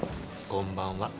こんばんは。